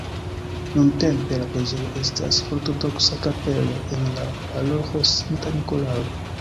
Nuntempe la preĝejo estas ortodoksa kapelo en la paroĥo Sankta Nikolao.